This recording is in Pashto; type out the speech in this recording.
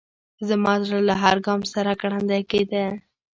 زما زړه له هر ګام سره ګړندی کېده.